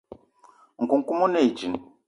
Nkoukouma one djinn.